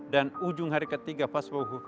dan ujung hari ketiga